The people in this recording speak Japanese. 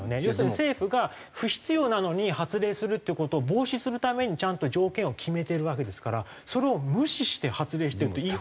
要するに政府が不必要なのに発令するっていう事を防止するためにちゃんと条件を決めてるわけですからそれを無視して発令してるって。